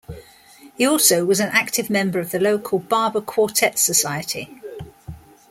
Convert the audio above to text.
He also was an active member of the local Barber Quartet Society.